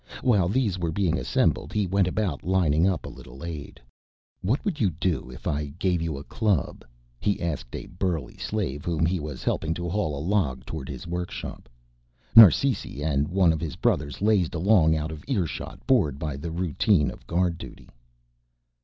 While these were being assembled he went about lining up a little aid. "What would you do if I gave you a club?" he asked a burly slave whom he was helping to haul a log towards his workshop. Narsisi and one of his brothers lazed along out of earshot, bored by the routine of the guard duty.